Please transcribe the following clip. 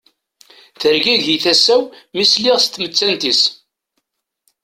Tergagi tasa-w mi sliɣ s tmettant-is.